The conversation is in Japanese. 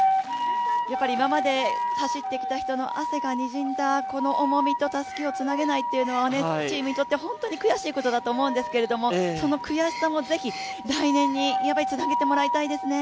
今まで走ってきた人の汗がにじんだこの思いとたすきをつなげないのは、チームにとって本当に悔しいことだと思うんですけども、その悔しさもぜひ来年につなげてもらいたいですね。